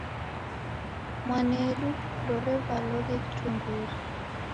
Mwanedu ndorevaloghe kitungure.